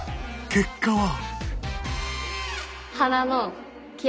結果は？